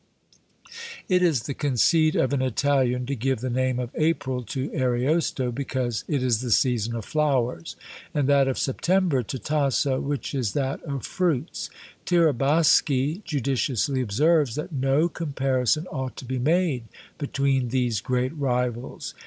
It is the conceit of an Italian to give the name of April to Ariosto, because it is the season of flowers; and that of September to Tasso, which is that of fruits. Tiraboschi judiciously observes that no comparison ought to be made between these great rivals.